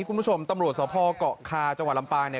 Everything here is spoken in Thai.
คุณผู้ชมตำรวจสภเกาะคาจังหวัดลำปางเนี่ย